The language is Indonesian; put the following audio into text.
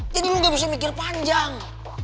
jadi lo gak bisa mikir panjang